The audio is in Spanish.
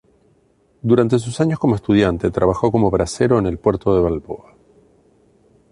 Durante sus años como estudiante, trabajó como bracero en el puerto de Balboa.